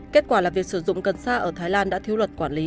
kết quả là việc sử dụng cần sa ở thái lan đã thiếu luật quản lý